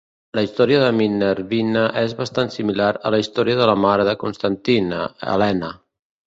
La història de Minervina és bastant similar a la història de la mare de Constantine, Helena.